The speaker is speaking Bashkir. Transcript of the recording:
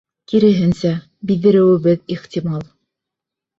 Киреһенсә, биҙҙереүебеҙ ихтимал.